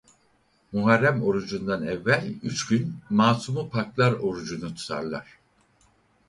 Muharrem orucundan evvel üç gün Masumu Paklar orucunu tutarlar.